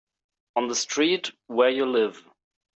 On the street where you live.